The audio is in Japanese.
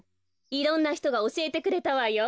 いろんなひとがおしえてくれたわよ。